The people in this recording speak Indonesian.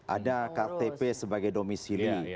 ada ktp sebagai domisili